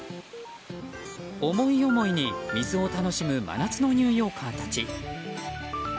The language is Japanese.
思い思いに水を楽しむ真夏のニューヨーカーたち。